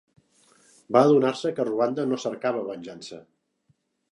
Va adornar-se que Ruanda "no cercava venjança".